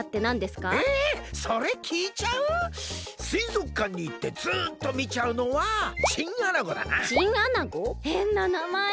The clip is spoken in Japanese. すいぞくかんにいってずっとみちゃうのはへんななまえ！